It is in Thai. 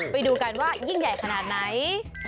ไปดูกันว่ายิ่งใหญ่ขนาดไหน